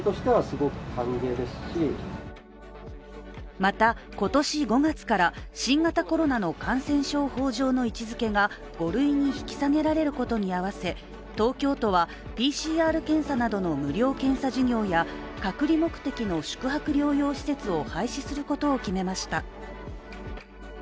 また、今年５月から新型コロナの感染症法上の位置づけが５類に引き下げられることに合わせ東京都はＰＣＲ検査などの無料検査事業や隔離目的の宿泊療養施設を廃止することを決めました。